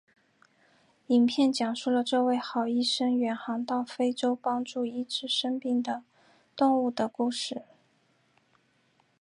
影片讲述了这位好医生远航到非洲帮助医治生病的动物的故事。